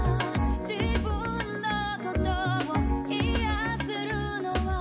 「自分のことを癒せるのは」